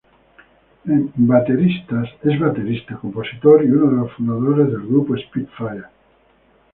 Es baterista, compositor y uno de los fundadores del grupo Spitfire.